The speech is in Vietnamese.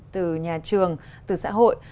từ nhà trường từ xã hội